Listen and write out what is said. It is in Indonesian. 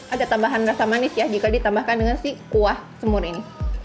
ada tambahan rasa manis ya jika ditambahkan dengan si kuah semur ini